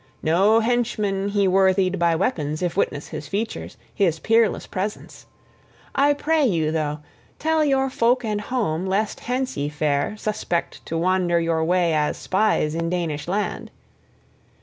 No henchman he worthied by weapons, if witness his features, his peerless presence! I pray you, though, tell your folk and home, lest hence ye fare suspect to wander your way as spies in Danish land.